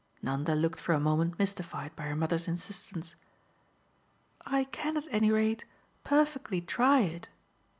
Nanda looked for a moment mystified by her mother's insistence. "I can at any rate perfectly try it."